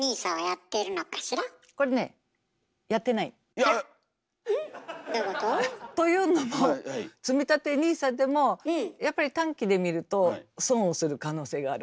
どういうこと？というのもつみたてＮＩＳＡでもやっぱり短期で見ると損をする可能性がある。